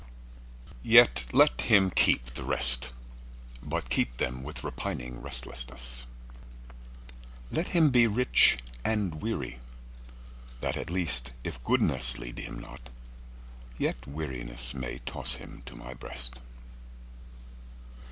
Yet let him keep the rest, But keep them with repining restlessness; Let him be rich and weary, that at least, If goodness lead him not, yet wearinessMay toss him to My breast.